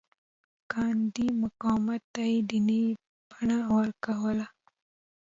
ګاندي مقاومت ته دیني بڼه ورکوله.